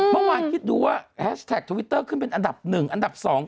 เมื่อวานคิดดูว่าแฮชแท็กทวิตเตอร์ขึ้นเป็นอันดับหนึ่งอันดับสอง